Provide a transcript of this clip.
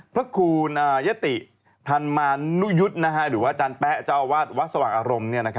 พระครูยะติธรรมมานุยุทธ์หรือว่าอาจารย์แป๊ะเจ้าวาดวัดสว่างอารมณ์